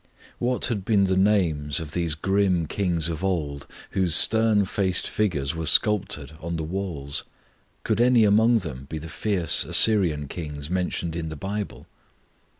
What had been the names of these grim kings of old, whose stern faced figures were sculptured on the walls? Could any among them be the fierce Assyrian kings mentioned in the Bible?